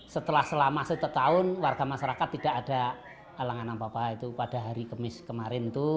setelah selama setahun warga masyarakat tidak ada alangan apa apa pada hari kemis kemarin